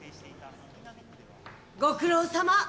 ご苦労さま！